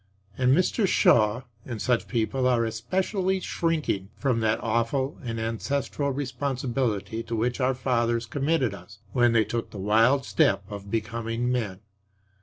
And Mr. Shaw and such people are especially shrinking from that awful and ancestral responsibility to which our fathers committed us when they took the wild step of becoming men.